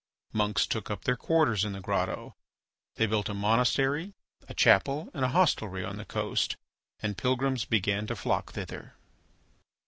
Monks took up their quarters in the grotto, they built a monastery, a chapel, and a hostelry on the coast, and pilgrims began to flock thither.